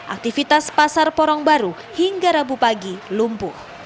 aktivitas pasar porong baru hingga rabu pagi lumpuh